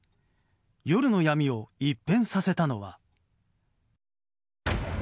夜の闇を一変させたのは。